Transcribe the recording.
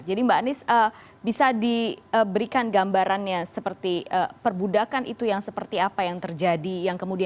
jadi mbak anies bisa diberikan gambarannya seperti perbudakan itu yang seperti apa yang terjadi